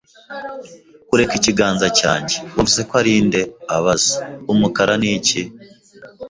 kureka ikiganza cyanjye, “Wavuze ko ari nde?” abaza. “Umukara ni iki?”